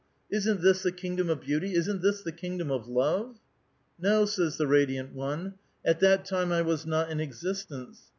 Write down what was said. Isn't this the kingdom of beauty ? isn't this the kingdom of love ?"" No," says the radiant one ;" at that time I was not in existence.